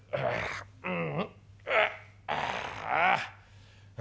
うん。